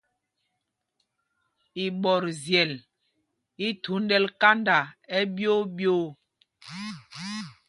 Iɓɔtzyel i thúndɛl kanda ɛɓyoo ɓyoo.